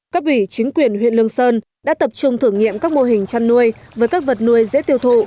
cấp ủy chính quyền huyện lương sơn đã tập trung thử nghiệm các mô hình chăn nuôi với các vật nuôi dễ tiêu thụ